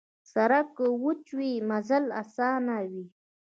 سړک که وچه وي، مزل اسان وي.